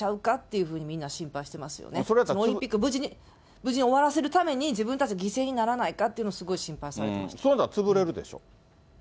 無事に終わらせるために、自分たち犠牲にならないかっていうの、すごい心配されてまそういうのは潰れるでしょう。